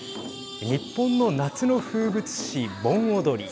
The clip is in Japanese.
日本の夏の風物詩、盆踊り。